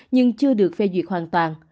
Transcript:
nhưng chưa được phê duyệt hoàn toàn